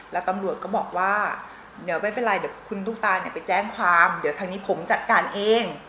แล้วตำรวจก็บอกว่าเดี๋ยวไม่เป็นไรเดี๋ยวคุณตุ๊กตาเนี่ยไปแจ้งความเดี๋ยวทางนี้ผมจัดการเอง